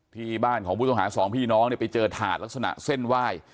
ที่บ้านของผู้ต้องหาสองพี่น้องเนี่ยไปเจอถาดลักษณะเส้นไหว้